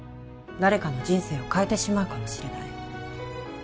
誰かの人生を変えてしまうかもしれない